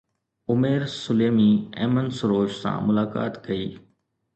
عمير سليمي ايمن سروش سان ملاقات ڪئي